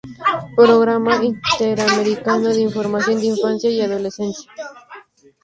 Programa Interamericano de Información de Infancia y Adolescencia.